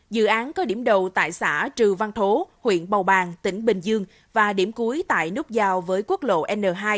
dự án có điểm đầu tại xã trừ văn thố huyện bầu bàng tỉnh bình dương và điểm cuối tại nút giao với quốc lộ n hai